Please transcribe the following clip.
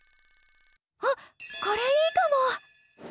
あっこれいいかも！